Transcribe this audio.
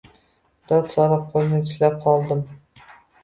Dod solib qo‘lini tishlab oldim.